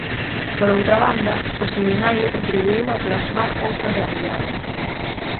Por outra banda, o seminario contribuíu a plasmar outra realidade.